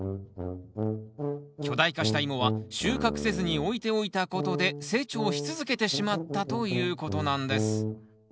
巨大化したイモは収穫せずに置いておいたことで成長し続けてしまったということなんです